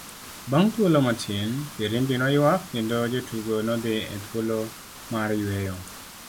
Bang' thuolo matin, firimbi noyuak kendo jotugo nodhi e thuolo mar yueyo.